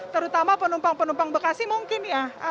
terutama penumpang penumpang bekasi mungkin ya